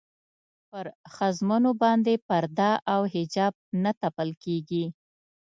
پر ښځمنو باندې پرده او حجاب نه تپل کېږي.